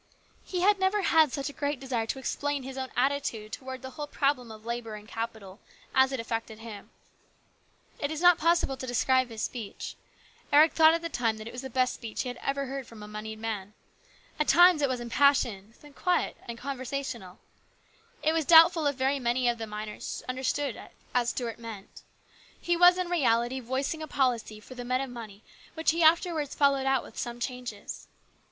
He had never had such a great desire to explain his own attitude towards the whole problem of labour and capital, as it affected him. It is not possible to describe his speech. Eric thought at the time that it was the best speech he had ever heard from a moneyed man. At times it was impassioned, then quiet and conversational. It is doubtful if very many of the miners understood it as Stuart meant. He was, in reality, voicing a policy 58 HIS BROTHER'S KEEPER. for the men of money which he afterwards followed out with some changes.